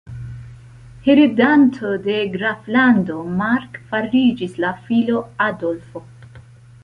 Heredanto de Graflando Mark fariĝis la filo Adolfo.